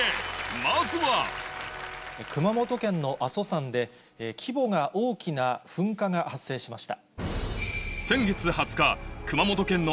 まずは熊本県の阿蘇山で規模が大きな噴火が発生しました。